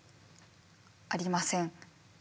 ありません。